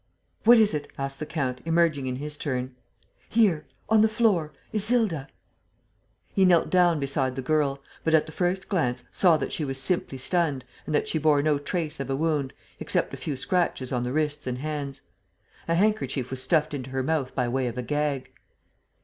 "What is it?" asked the count, emerging in his turn. "Here ... on the floor. ... Isilda. ..." He knelt down beside the girl, but, at the first glance, saw that she was simply stunned and that she bore no trace of a wound, except a few scratches on the wrists and hands. A handkerchief was stuffed into her mouth by way of a gag.